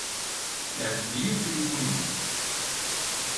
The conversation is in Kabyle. Yeɛjeb-iyi utriku-nnek.